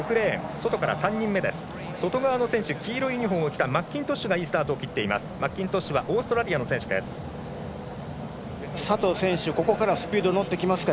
外側の選手黄色いユニフォームを着たマッキントッシュがいいスタートを切った。